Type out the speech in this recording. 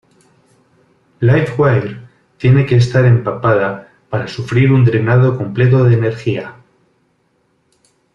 Livewire tiene que estar empapada para sufrir un drenado completo de energía.